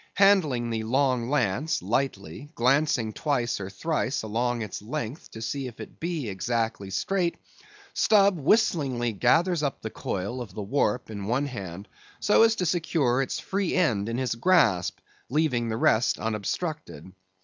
Handling the long lance lightly, glancing twice or thrice along its length to see if it be exactly straight, Stubb whistlingly gathers up the coil of the warp in one hand, so as to secure its free end in his grasp, leaving the rest unobstructed.